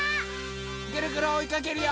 ぐるぐるおいかけるよ！